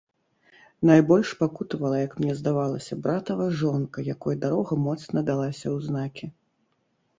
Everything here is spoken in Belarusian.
Найбольш пакутавала, як мне здавалася, братава жонка, якой дарога моцна далася ў знакі.